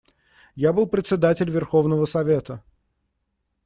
Я был председатель Верховного Совета.